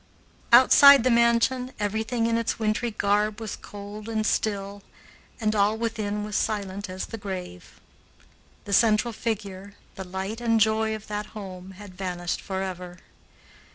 Outside the mansion everything in its wintry garb was cold and still, and all within was silent as the grave. The central figure, the light and joy of that home, had vanished forever.